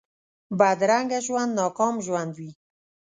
بدرنګه ژوند ناکام ژوند وي